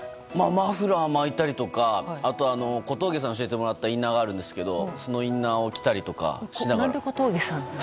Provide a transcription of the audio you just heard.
マフラー巻いたりとか小峠さんに教えてもらったインナーがあるんですけどそのインナーを着たりとかしながら。